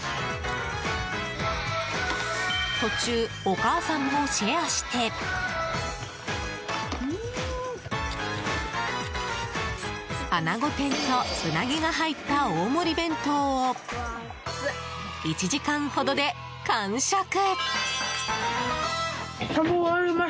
途中、お母さんもシェアしてアナゴ天とうなぎが入った大盛り弁当を１時間ほどで完食。